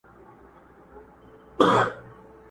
خداى وركړي وه سل سره سل خيالونه،